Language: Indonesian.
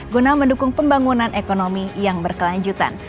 guna mendukung pembangunan ekonomi yang berkelanjutan